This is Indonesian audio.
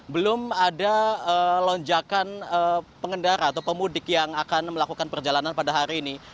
belum ada lonjakan pengendara atau pemudik yang akan melakukan perjalanan pada hari ini